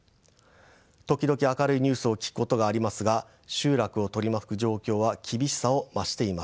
時々明るいニュースを聞くことがありますが集落を取り巻く状況は厳しさを増しています。